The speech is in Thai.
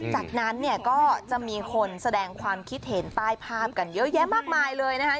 จากนั้นเนี่ยก็จะมีคนแสดงความคิดเห็นใต้ภาพกันเยอะแยะมากมายเลยนะคะ